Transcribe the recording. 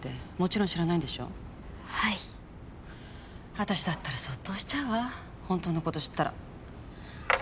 私だったら卒倒しちゃうわホントのこと知ったら。